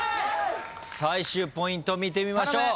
最終ポイント見てみましょう。